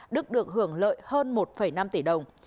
đức được hưởng lợi hơn một năm tỷ đồng